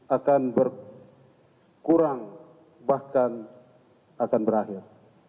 akan berkurang bahkan akan berakhir